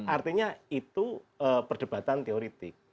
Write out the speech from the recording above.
artinya itu perdebatan teoritik